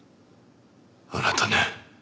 あなたね。